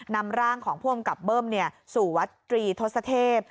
นำร่างของผู้อำกับเบิ้มสู่วัดตรีทศเทพ